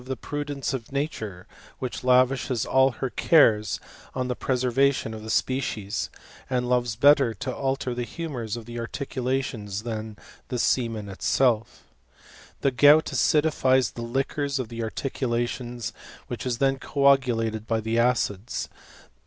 ^ prudence of nature, which lavishes all tier carea| the preservation of the species, and loves bettail alter the humours of the articulations than the am itself. The gout acidifies the liquors of the arti latioDs, which is then copulated by the acids.